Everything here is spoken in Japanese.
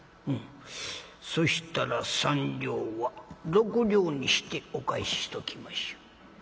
「うん。そしたら３両は６両にしてお返ししときましょう。